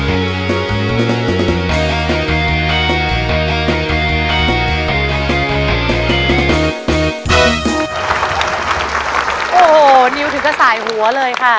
เพลงนี้นะครับบอกได้เลยว่าโจ๊ะเหลือเกิน